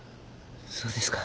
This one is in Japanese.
そうですか。